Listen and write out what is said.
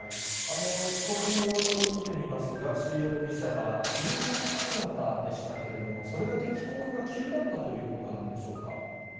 帰国の様子を見てみますと、ガーシー容疑者はＴシャツ姿でしたけれども、それだけ帰国が急だったということなんでしょうか。